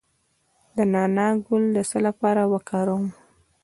د نعناع ګل د څه لپاره وکاروم؟